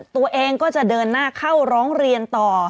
ตัวเองก็จะเดินหน้าเข้าร้องเรียนต่อ